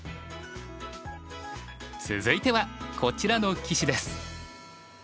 続いてはこちらの棋士です。